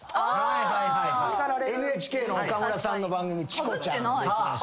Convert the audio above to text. ＮＨＫの岡村さんの番組『チコちゃん』でいきました。